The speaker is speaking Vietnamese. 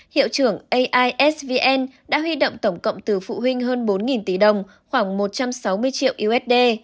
hiệu trưởng aisvn đã huy động tổng cộng từ phụ huynh hơn bốn tỷ đồng khoảng một trăm sáu mươi triệu usd